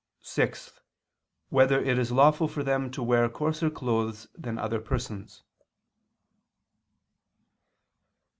(6) Whether it is lawful for them to wear coarser clothes than other persons?